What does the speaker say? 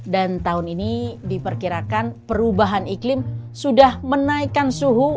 dan tahun ini diperkirakan perubahan iklim sudah menaikkan suhu